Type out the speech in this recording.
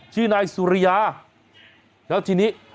ชื่อนายสุริยาแล้วทีนี้